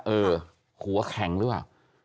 เออหัวแข็งหรือเปล่า